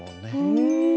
うん！